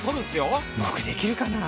うまくできるかな？